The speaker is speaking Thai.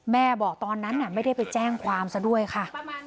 แม่บอกตอนนั้นไม่ได้ไปแจ้งความซะด้วยค่ะ